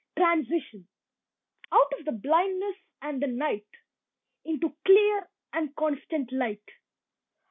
TRANSITION Out of the blindness and the night Into clear and constant light.